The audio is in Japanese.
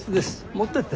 持ってって。